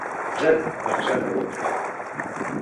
ژر بخښنه وکړه.